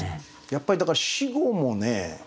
やっぱりだから死後もね